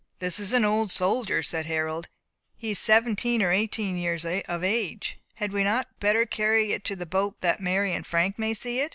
"This is an old soldier," said Harold; "he is seventeen or eighteen years of age. Had we not better carry it to the boat that Mary and Frank may see it?